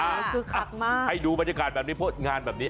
คือคักมากให้ดูบรรยากาศแบบนี้เพราะงานแบบนี้